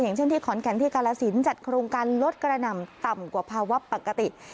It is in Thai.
อย่างเช่นที่ขอนแก่นที่กาลสินจัดโครงการลดกระหน่ำต่ำกว่าภาวะปกติ